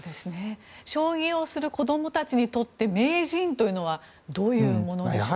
将棋をする子どもたちにとって名人というのはどういうものでしょうか。